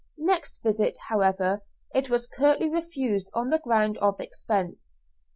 Next visit, however, it was curtly refused on the ground of expense.